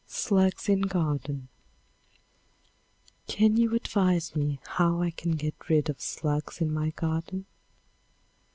Slugs in Garden. Can you advise me how I can get rid of slugs in my garden?